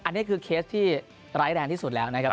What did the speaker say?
อันนี้คือเคสที่ร้ายแรงที่สุดแล้วนะครับ